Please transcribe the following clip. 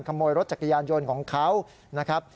ขโมยรถจักรยานยนต์ของเขานะครับ